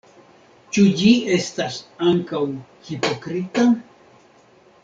Ĉu ĝi estas ankaŭ hipokrita?